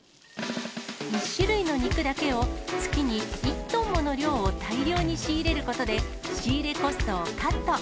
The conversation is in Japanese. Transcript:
１種類の肉だけを、月に１トンもの量を大量に仕入れることで、仕入れコストをカット。